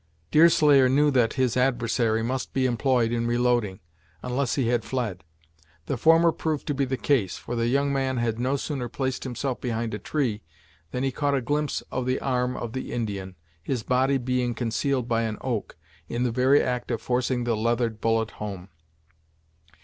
Deerslayer knew that his adversary must be employed in reloading, unless he had fled. The former proved to be the case, for the young man had no sooner placed himself behind a tree, than he caught a glimpse of the arm of the Indian, his body being concealed by an oak, in the very act of forcing the leathered bullet home.